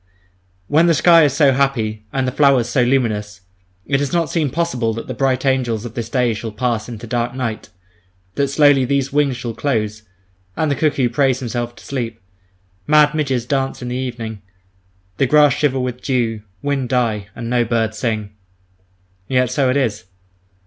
When the sky is so happy, and the flowers so luminous, it does not seem possible that the bright angels of this day shall pass into dark night, that slowly these wings shall close, and the cuckoo praise himself to sleep, mad midges dance in the evening; the grass shiver with dew, wind die, and no bird sing .... Yet so it is.